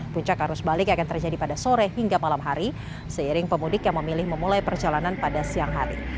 puncak arus balik akan terjadi pada sore hingga malam hari seiring pemudik yang memilih memulai perjalanan pada siang hari